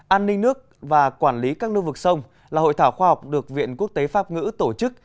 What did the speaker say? an ninh nước và quản lý các lưu vực sông là hội thảo khoa học được viện quốc tế pháp ngữ tổ chức